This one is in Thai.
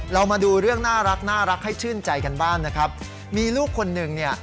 เรามาดูเรื่องน่ารักน่ารักให้ชื่นใจกันบ้างนะครับมีลูกคนหนึ่งเนี่ย